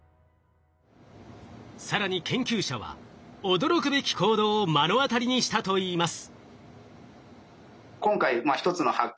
更に研究者は驚くべき行動を目の当たりにしたと言います。